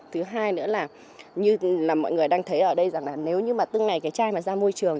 thứ hai nữa là như là mọi người đang thấy ở đây rằng là nếu như mà tức ngày cái chai mà ra môi trường